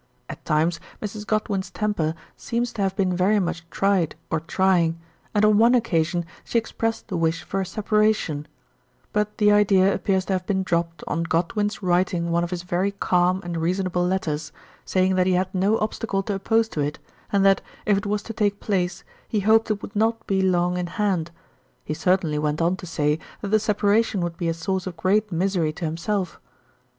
At times Mrs. Godwin's temper seems to have been very much tried or trying, and on one occasion she expressed the wish for a separation ; but the idea appears to have been dropped on Godwin's writing one of his very calm and reasonable letters, saying that he had no obstacle to oppose to it, and that, if it was to take place, he hoped it would not be long in hand ; he cer tainly went on to say that the separation would be a source of great misery to himself.